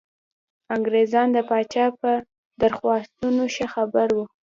انګرېزان د پاچا په درخواستونو ښه خبر وو.